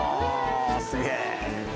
すげえ。